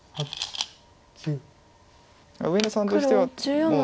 上野さんとしてはもう。